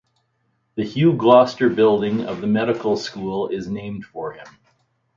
The Hugh Gloster building of the medical school is named for him.